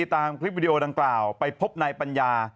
ตามคลิปวิดีโอดังกล่าวไปพบนายปัญญา